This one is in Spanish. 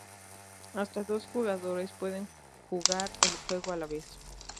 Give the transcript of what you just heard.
Hasta dos jugadores pueden jugar el juego a la vez.